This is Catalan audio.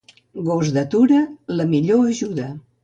Gos d'atura, la millor ajuda.